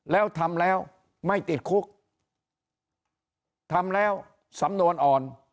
แล้วทำแล้วไม่ติดคุกทำแล้วสำนวนอ่อน